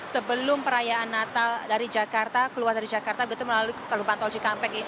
sebelum perayaan natal dari jakarta keluar dari jakarta begitu melalui kelumpang tol cikampek